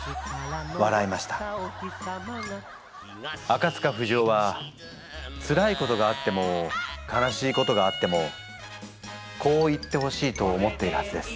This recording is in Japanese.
あかつかふじおはつらいことがあっても悲しいことがあってもこう言ってほしいと思っているはずです。